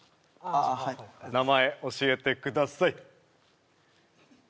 ああはい名前教えてください